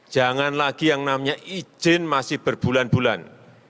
jangan lagi yang namanya izin masih berbulan bulan